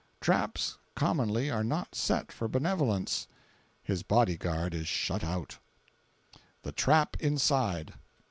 Traps commonly are not set for benevolence. [His body guard is shut out:] THE TRAP INSIDE.